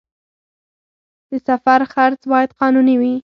د سفر خرڅ باید قانوني وي